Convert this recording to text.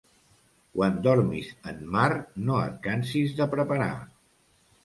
Quan dormis en mar, no et cansis de preparar.